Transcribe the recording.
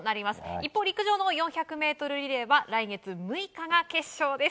一方、陸上の４００ｍリレーは来月６日が決勝です。